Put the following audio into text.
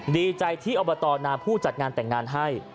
ดีใจที่อบตนาผู้จัดงานแต่งงานให้